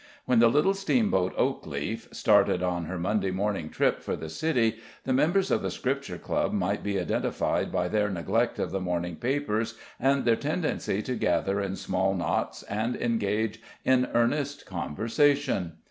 When the little steamboat Oakleaf started on her Monday morning trip for the city, the members of the Scripture Club might be identified by their neglect of the morning papers and their tendency to gather in small knots and engage in earnest conversation.